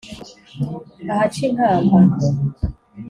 ahaca inkamba.